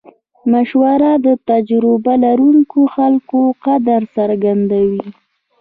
مشوره د تجربه لرونکو خلکو قدر څرګندوي.